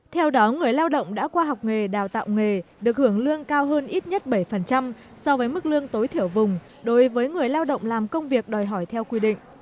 theo đó người lao động đã qua học nghề đào tạo nghề được hưởng lương cao hơn ít nhất bảy so với mức lương tối thiểu vùng đối với người lao động làm công việc đòi hỏi theo quy định